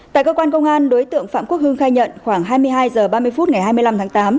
tại cơ quan công an đối tượng phạm quốc hưng khai nhận khoảng hai mươi hai h ba mươi phút ngày hai mươi năm tháng tám